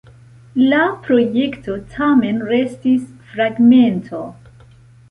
La projekto tamen restis fragmento.